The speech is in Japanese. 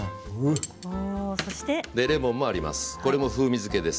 レモンがあります。